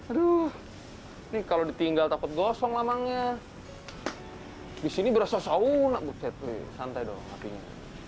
aduh nih kalau ditinggal takut gosong lamangnya disini berasa sauna bukit santai dong apinya